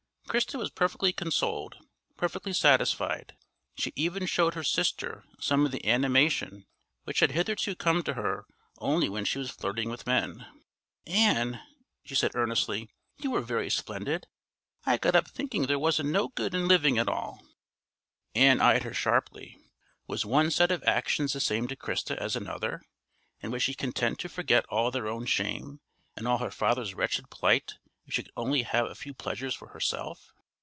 Christa was perfectly consoled, perfectly satisfied; she even showed her sister some of the animation which had hitherto come to her only when she was flirting with men. "Ann," she said earnestly, "you are very splendid. I got up thinking there weren't no good in living at all." Ann eyed her sharply. Was one set of actions the same to Christa as another? and was she content to forget all their own shame and all her father's wretched plight if she could only have a few pleasures for herself?